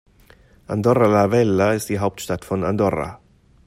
Andorra la Vella ist die Hauptstadt von Andorra.